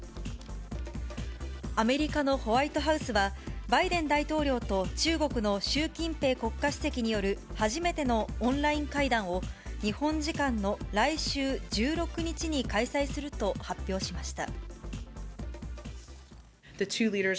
アメリカのホワイトハウスは、バイデン大統領と、中国の習近平国家主席による初めてのオンライン会談を、日本時間の来週１６日に開催すると発表しました。